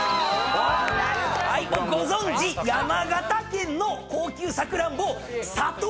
はいご存じ山形県の高級サクランボ佐藤